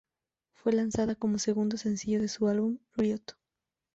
Fue lanzada como segundo sencillo de su álbum "Riot!